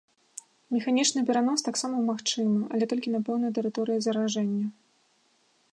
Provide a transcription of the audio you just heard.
Механічны перанос таксама магчымы, але толькі на пэўнай тэрыторыі заражэння.